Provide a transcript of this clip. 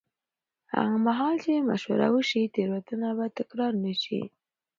هغه مهال چې مشوره وشي، تېروتنه به تکرار نه شي.